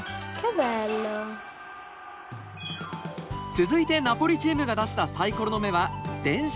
続いてナポリチームが出したサイコロの目は「電車の駅」。